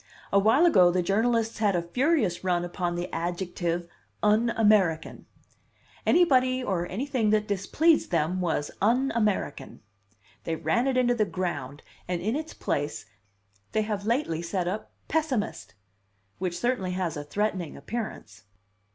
A while ago the journalists had a furious run upon the adjective 'un American.' Anybody or anything that displeased them was 'un American.' They ran it into the ground, and in its place they have lately set up 'pessimist,' which certainly has a threatening appearance.